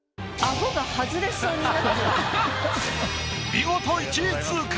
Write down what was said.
見事１位通過！